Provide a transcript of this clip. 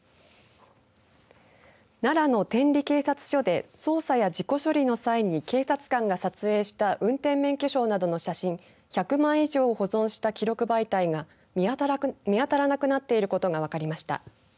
奈良の天理警察署で捜査や事故処理の際に警察官が撮影した運転免許証などの写真１００枚以上を保存した記録媒体が見当たらなくなっていることが分かりました。